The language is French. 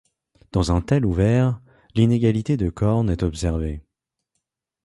Dans un tel ouvert, l'inégalité de Korn est observée.